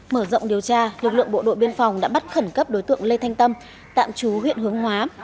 mở rộng điều tra lực lượng bộ đội biên phòng đã bắt khẩn cấp đối tượng lê thanh tâm tạm chú huyện hướng hóa